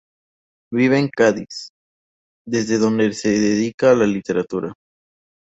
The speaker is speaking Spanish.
Vive en Cádiz, desde donde se dedica a la literatura.